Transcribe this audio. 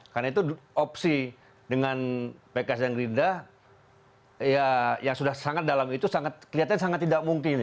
karena itu opsi dengan pks dan gerindra yang sudah sangat dalam itu kelihatan sangat tidak mungkin